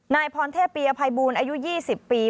นายพรเทพปียภัยบูลอายุ๒๐ปี